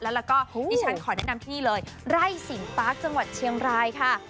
แล้วก็ดิฉันขอแนะนำที่นี่เลยไร่สิงปาร์คจังหวัดเชียงรายค่ะ